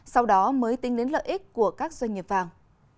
sau đó mới tính đến lợi ích của các doanh nghiệp vàng